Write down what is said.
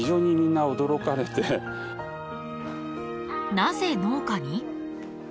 なぜ農家に？